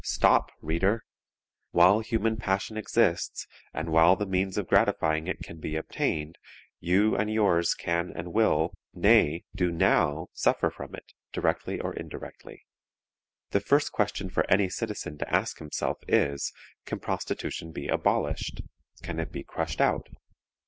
Stop, reader! _While human passion exists, and while the means of gratifying it can be obtained, you and yours can and will, nay, do now suffer from it, directly or indirectly._ The first question for any citizen to ask himself is, Can prostitution be abolished; can it be crushed out?